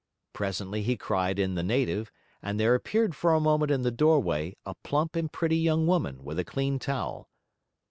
Presently he cried in the native, and there appeared for a moment in the doorway a plump and pretty young woman with a clean towel.